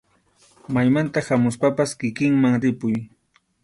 Maymanta hamuspapas kikinman ripuy.